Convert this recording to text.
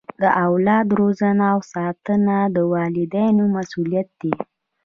د اولاد روزنه او ساتنه د والدینو مسؤلیت دی.